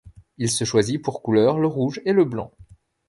Il se choisit pour couleurs le Rouge et le Blanc.